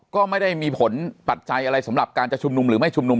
ก็ไม่ได้มีผลปัจจัยอะไรสำหรับการจะชุมนุมหรือไม่ชุมนุม